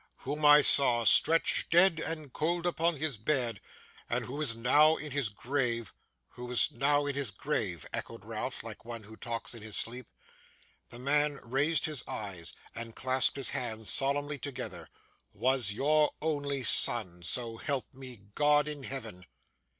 'Whom I saw, stretched dead and cold upon his bed, and who is now in his grave ' 'Who is now in his grave,' echoed Ralph, like one who talks in his sleep. The man raised his eyes, and clasped his hands solemnly together: ' Was your only son, so help me God in heaven!